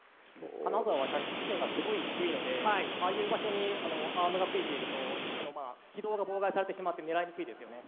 金沢は射出地点がすごい低いのでああいう場所にアームがついていると軌道が妨害されてしまって狙いにくいですよね。